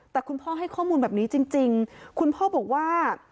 แต่คุณพ่อให้ข้อมูลแบบนี้จริงคุณพ่อบอกว่า